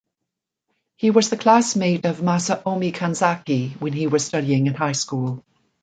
He was the classmate of Masaomi Kanzaki when he was studying in high school.